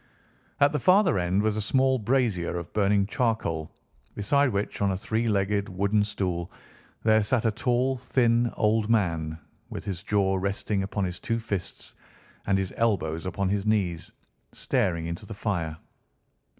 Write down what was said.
At the farther end was a small brazier of burning charcoal, beside which on a three legged wooden stool there sat a tall, thin old man, with his jaw resting upon his two fists, and his elbows upon his knees, staring into the fire.